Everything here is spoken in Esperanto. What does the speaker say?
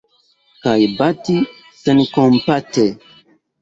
Kaj bati senkompate!